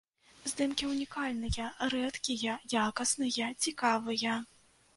Здымкі ўнікальныя, рэдкія, якасныя, цікавыя.